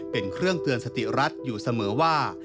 เป็นเครื่องเตือนสติรัฐอยู่เสมอว่า